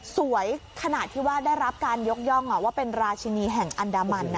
สวยขนาดที่ว่าได้รับการยกย่องว่าเป็นราชินีแห่งอันดามันนะ